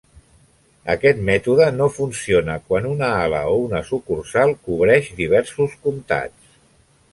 Aquest mètode no funciona quan una ala o una sucursal cobreix diversos comtats.